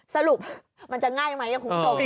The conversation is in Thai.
สรุปมันจะง่ายไหมครูปะ